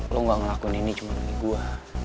lo gak ngelakuin ini cuma demi gua